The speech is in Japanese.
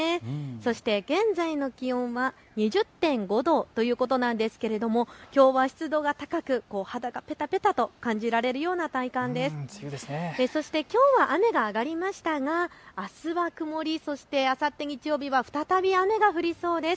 そして現在の気温は２０．５度ということなんですけれどもきょうは湿度が高く、きょうは雨が上がりましたがあすは曇り、あさって日曜日は再び雨が降りそうです。